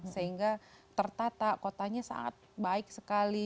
sehingga tertata kotanya sangat baik sekali